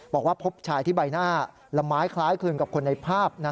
บอกว่าพบชายที่ใบหน้าละไม้คล้ายคลึงกับคนในภาพ